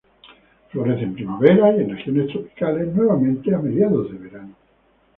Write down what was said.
Florece en primavera, y en regiones tropicales nuevamente a mediados de verano.